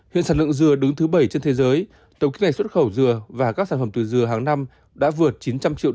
hiện sản lượng dừa đứng thứ bảy trên thế giới tổng kích ngày xuất khẩu dừa và các sản phẩm từ dừa hàng năm đã vượt chín trăm linh triệu usd